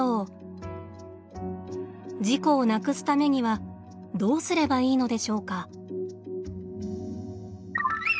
事故をなくすためにはどうすればいいのでしょうか。